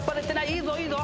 いいぞいいぞ。